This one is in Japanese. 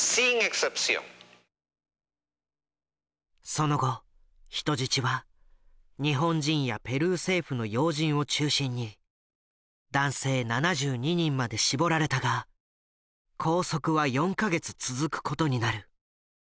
その後人質は日本人やペルー政府の要人を中心に男性７２人まで絞られたが拘束は４か月続くことになる。